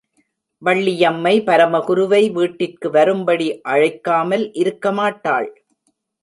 வள்ளியம்மை பரமகுருவை வீட்டிற்கு வரும்படி அழைக்காமல் இருக்க மாட்டாள்.